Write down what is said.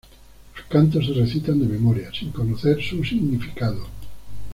Los cantos se recitan de memoria, sin conocer su significado.